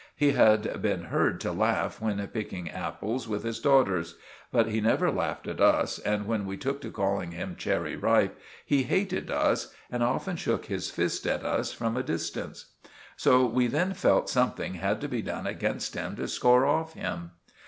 He had been heard to laugh when picking apples with his daughters. But he never laughed at us, and when we took to calling him 'Cherry Ripe,' he hated us, and often shook his fist at us from a distance. So we then felt something had to be done against him to score off him.